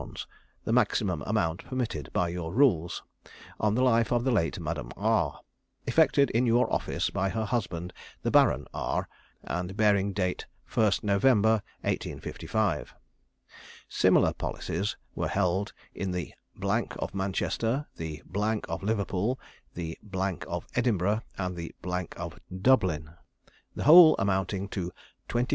the maximum amount permitted by your rules, on the life of the late Madame R, effected in your office by her husband, the Baron R, and bearing date 1st November, 1855. Similar policies were held in the of Manchester, the of Liverpool, the of Edinburgh, and the of Dublin, the whole amounting to 25,000_l_.